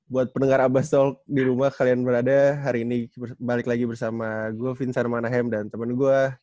buat pendengar abbas talk di rumah kalian berada hari ini balik lagi bersama gue vincent manahem dan temen gue